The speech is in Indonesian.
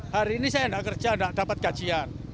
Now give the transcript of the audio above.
hari ini saya tidak kerja tidak dapat gajian